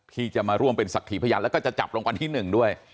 ที่จะมาร่วมเป็นศักดิ์พยานแล้วก็จะจับรางวัลที่๑ด้วย